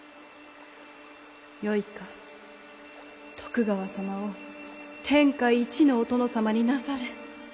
よいか徳川様を天下一のお殿様になされ。